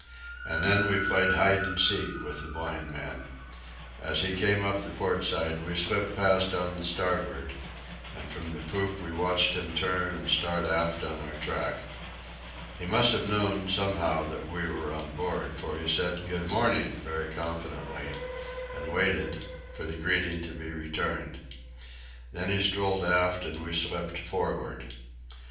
And then we played hide and seek with the blind man. As he came up the port side we slipped past on the starboard; and from the poop we watched him turn and start aft on our track. He must have known, somehow, that we were on board, for he said "Good morning" very confidently, and waited for the greeting to be returned. Then he strolled aft, and we slipped forward.